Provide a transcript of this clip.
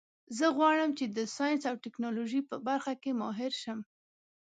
زه غواړم چې د ساینس او ټکنالوژۍ په برخه کې ماهر شم